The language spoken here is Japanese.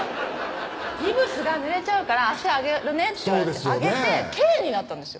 「ギプスがぬれちゃうから脚上げるね」って言われて上げてＫになったんですよ